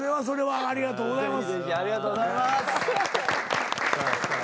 ありがとうございます。